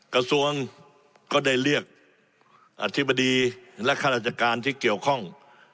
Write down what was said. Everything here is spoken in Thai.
กระทรวงก็ได้เรียกอธิบดีและข้าราชการที่เกี่ยวข้อง